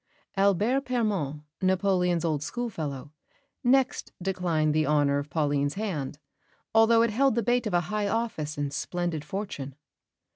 Albert Permon, Napoleon's old schoolfellow, next declined the honour of Pauline's hand, although it held the bait of a high office and splendid fortune.